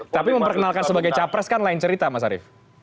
tapi memperkenalkan sebagai capres kan lain cerita mas arief